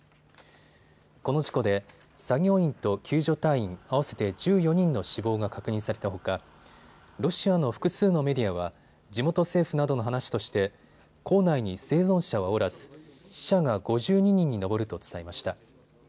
この事故で作業員救助隊員、合わせて１４人の死亡が確認させたほか、ロシアの複数のメディアは地元政府などの話として坑内に生存者はおらず、死者が５２人に上ると伝えました。